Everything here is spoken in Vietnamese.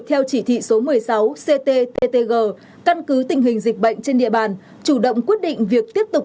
theo chỉ thị số một mươi sáu cttg căn cứ tình hình dịch bệnh trên địa bàn chủ động quyết định việc tiếp tục